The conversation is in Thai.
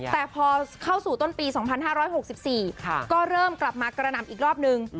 แต่พอเข้าสู่ต้นปี๒๕๖๔ก็เริ่มกลับมากระหน่ำอีกรอบนึง